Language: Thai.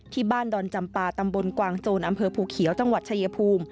ดอนจำปาตำบลกวางโจรอำเภอภูเขียวจังหวัดชายภูมิ